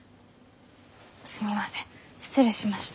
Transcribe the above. すみません失礼しました。